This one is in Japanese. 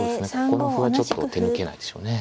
ここの歩はちょっと手抜けないでしょうね。